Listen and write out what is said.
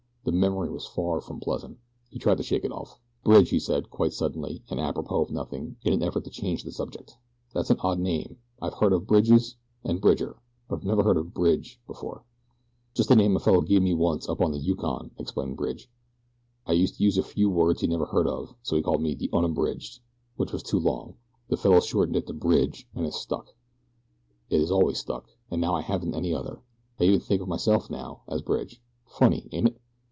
The memory was far from pleasant. He tried to shake it off. "'Bridge,'" he said, quite suddenly, and apropos of nothing, in an effort to change the subject. "That's an odd name. I've heard of Bridges and Bridger; but I never heard Bridge before." "Just a name a fellow gave me once up on the Yukon," explained Bridge. "I used to use a few words he'd never heard before, so he called me 'The Unabridged,' which was too long. The fellows shortened it to 'Bridge' and it stuck. It has always stuck, and now I haven't any other. I even think of myself, now, as Bridge. Funny, ain't it?"